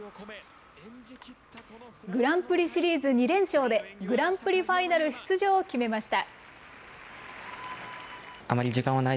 グランプリシリーズ２連勝で、グランプリファイナル出場を決めました。